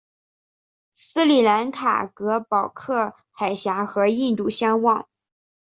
斯里兰卡隔保克海峡和印度相望。